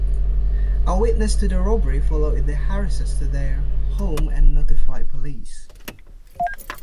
A witness to the robbery followed the Harrises to their home and notified police.